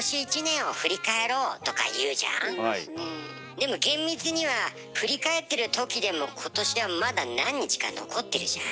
でも厳密には振り返ってるときでも今年はまだ何日か残ってるじゃん。